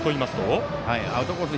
アウトコース